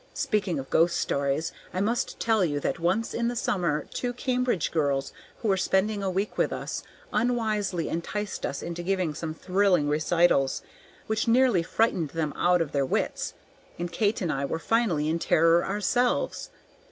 Speaking of ghost stories, I must tell you that once in the summer two Cambridge girls who were spending a week with us unwisely enticed us into giving some thrilling recitals, which nearly frightened them out of their wits, and Kate and I were finally in terror ourselves.